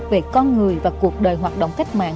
về con người và cuộc đời hoạt động cách mạng